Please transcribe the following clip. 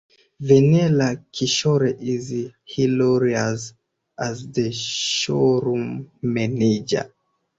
Vennela Kishore is hilarious as the showroom manager.